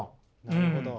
なるほど。